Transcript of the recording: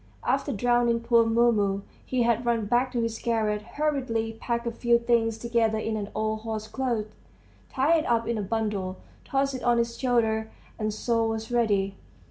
After drowning poor Mumu, he had run back to his garret, hurriedly packed a few things together in an old horsecloth, tied it up in a bundle, tossed it on his shoulder, and so was ready.